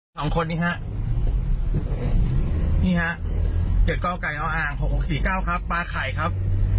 สองคนนี้ฮะนี่ฮะเจ็ดก่อไก่เอาอ่างหกหกสี่เก้าครับปลาไข่ครับ